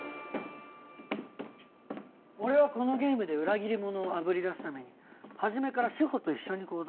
俺はこのゲームで裏切り者をあぶり出すために初めから志法と一緒に行動していた。